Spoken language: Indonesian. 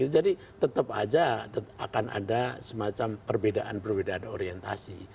jadi tetap aja akan ada semacam perbedaan perbedaan orientasi